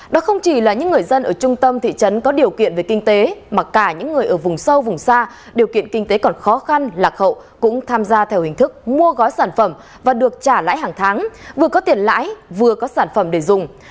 đó không chỉ là những người dân ở trung tâm thị trấn có điều kiện về kinh tế mà cả những người ở vùng sâu vùng xa điều kiện kinh tế còn khó khăn lạc hậu cũng tham gia theo hình thức mua gói sản phẩm và được trả lãi hàng tháng vừa có tiền lãi vừa có sản phẩm để dùng